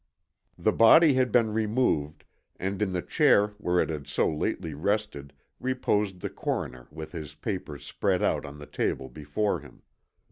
The body had been removed and in the chair where it had so lately rested reposed the coroner with his papers spread out on the table before him.